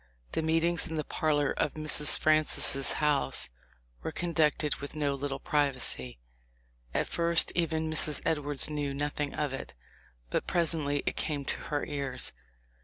The meetings in the parlor of Mrs. Francis' house were conducted with no little privacy. At first even Mrs. Edwards knew nothing of it, but presently it came to her ears.